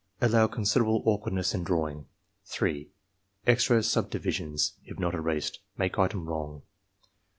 Allow considerable awkwardness in drawing, 3. Extra subdivisions, if not erased, make item wrong.